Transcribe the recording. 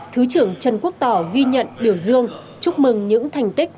thứ trưởng trần quốc tỏ ghi nhận biểu dương chúc mừng những thành tích